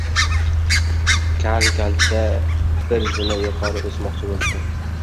Kal katta bir zina yuqori o‘smoqchi bo‘libdi.